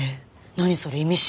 何それ意味深。